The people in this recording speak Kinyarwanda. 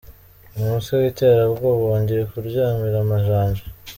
umutwe witera bwoba wongeye kuryamira amajanja